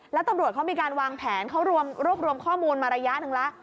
แล้วตำรวจเขามีการวางแผนเขารวบรวมข้อมูลมาระยะหนึ่งแล้ว